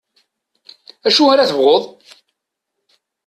Acu ara tebɣuḍ?